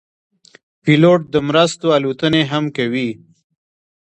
پیلوټ د مرستو الوتنې هم کوي.